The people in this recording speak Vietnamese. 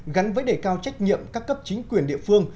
gắn với đề cao trách nhiệm các cấp chính quyền địa phương